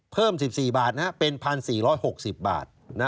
เป็น๑๔๖๐บาท